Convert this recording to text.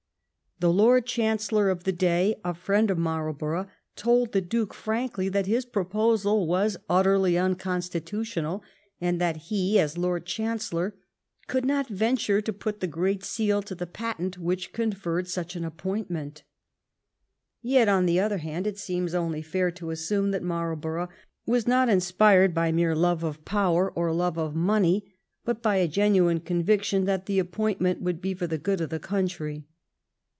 The Lord Chancellor of 839 THE REIGN OF QUEEN ANNE the day, a friend of Marlborough, told the Duke frank ly that his proposal was utterly unconstitutional, and that he as Lord Chancellor could not venture to put the great seal to the patent which conferred such an appointment Yet, on the other hand, it seems only fair to assume that Marlborough was not inspired by mere love of power or love of money, but by a genuine conviction that the appointment would be for the good of the country.